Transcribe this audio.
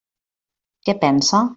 Què pensa?